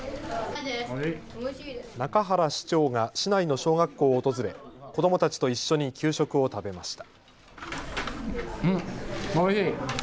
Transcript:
中原市長が市内の小学校を訪れ子どもたちと一緒に給食を食べました。